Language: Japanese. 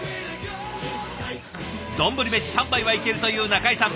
丼飯３杯はいけるという中井さん。